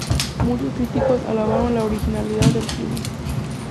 Muchos críticos alabaron la originalidad del filme.